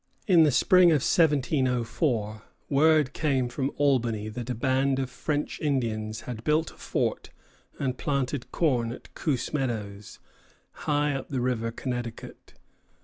In the spring of 1704 word came from Albany that a band of French Indians had built a fort and planted corn at Coos meadows, high up the river Connecticut.